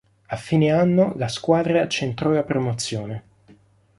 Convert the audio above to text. A fine anno, la squadra centrò la promozione.